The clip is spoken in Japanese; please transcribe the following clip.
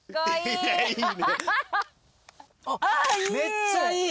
めっちゃいい。